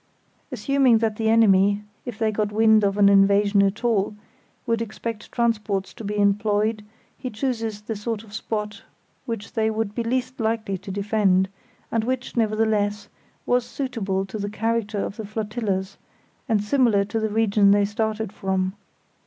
Assuming that the enemy, if they got wind of an invasion at all, would expect transports to be employed, he chooses the sort of spot which they would be least likely to defend, and which, nevertheless, was suitable to the character of the flotillas, and similar to the region they started from.